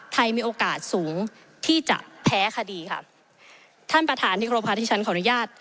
ไทยมีโอกาสสูงที่จะแพ้คดีค่ะท่านประธานที่ครบค่ะที่ฉันขออนุญาต